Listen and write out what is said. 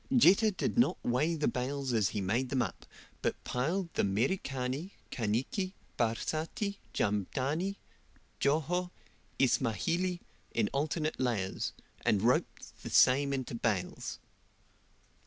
Jetta did not weigh the bales as he made them up, but piled the Merikani, Kaniki, Barsati, Jamdani, Joho, Ismahili, in alternate layers, and roped the same into bales.